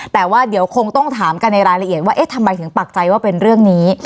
แต่ว่าเดี๋ยวคงต้องถามกันในรายละเอียดว่าเอ๊ะทำไมถึงปักใจว่าเป็นเรื่องนี้